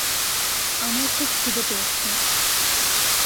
আমার খুব খিদে পেয়েছে।